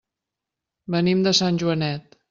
Venim de Sant Joanet.